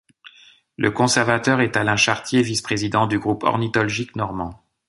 Le conservateur est Alain Chartier, vice-président du Groupe Ornitholgique Normand.